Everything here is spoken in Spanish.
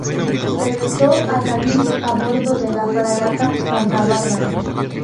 Regresó a Cádiz a bordo de la fragata "Santa Bárbara".